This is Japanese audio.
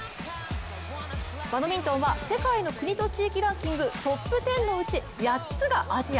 バドミントンは世界の国と地域ランキングトップ１０のうち８つがアジア。